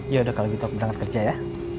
yaudah kalau gitu aku berangkat kerja ya